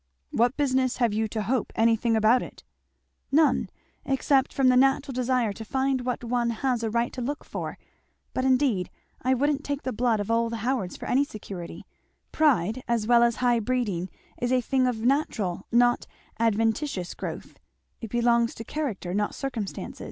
"What business have you to 'hope' anything about it?" "None except from the natural desire to find what one has a right to look for. But indeed I wouldn't take the blood of all the Howards for any security pride as well as high breeding is a thing of natural not adventitious growth it belongs to character, not circumstance."